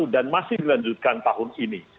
dan masih dilanjutkan tahun ini